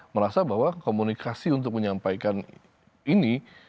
merasa bahwa komunikasi untuk menyampaikan ini